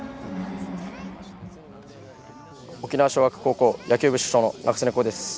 沖縄尚学高校野球部主将の仲宗根皐です。